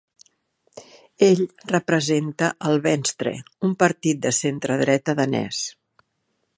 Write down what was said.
Ell representa el Venstre, un partit de centre-dreta danès.